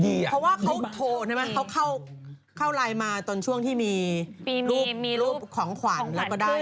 เพราะว่าเขาโทรใช่ไหมเขาเข้าไลน์มาตอนช่วงที่มีรูปของขวัญแล้วก็ได้